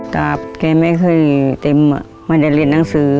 แกไม่เคยเต็มอ่ะไม่ได้เรียนหนังสือ